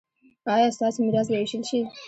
ایا ستاسو میراث به ویشل شي؟